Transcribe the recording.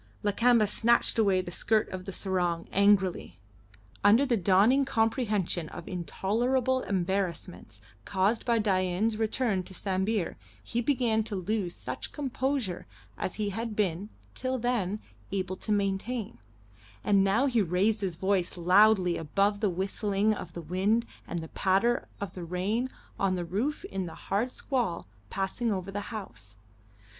Lakamba snatched away the skirt of the sarong angrily. Under the dawning comprehension of intolerable embarrassments caused by Dain's return to Sambir he began to lose such composure as he had been, till then, able to maintain; and now he raised his voice loudly above the whistling of the wind and the patter of rain on the roof in the hard squall passing over the house.